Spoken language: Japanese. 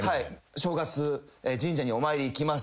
正月神社にお参り行きます。